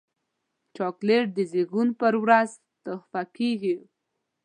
چاکلېټ د زیږون پر ورځ تحفه کېږي.